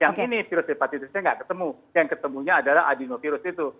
yang ini virus hepatitisnya nggak ketemu yang ketemunya adalah adenovirus itu